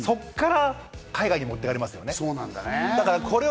これを海外に持ってかれますよね。